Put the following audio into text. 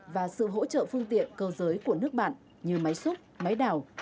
và sự hỗ trợ phương tiện cơ giới của nước bạn như máy xúc máy đảo